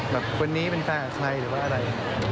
แบบคนนี้เป็นใครหรือว่าอะไร